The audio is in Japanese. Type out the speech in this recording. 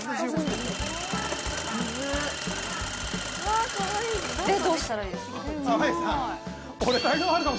◆で、どうしたらいいですか。